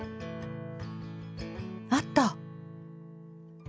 あった。